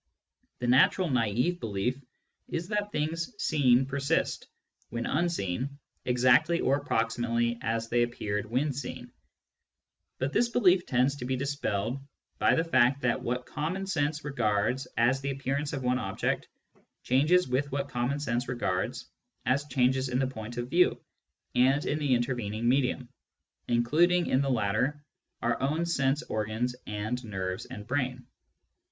The natural nafve belief is that things seen persist, when unseen, exactly or approximately as they appeared when seen ; but this belief tends to be dispelled by the fact that what common sense regards as the appear ance of one object changes with what common sense regards as changes in the point of view and in the inter vening medium, including in the latter our own sense organs and nerves and brain.